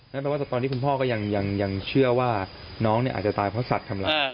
นั่นแปลว่าตอนที่คุณพ่อก็ยังเชื่อว่าน้องเนี่ยอาจจะตายเพราะสัตว์ทำอะไร